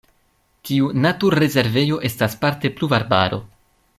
Tiu naturrezervejo estas parte pluvarbaro.